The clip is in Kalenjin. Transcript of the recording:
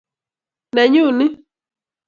Nanyu ni